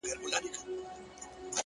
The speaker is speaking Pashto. ته خو له هري ښيښې وځې و ښيښې ته ورځې،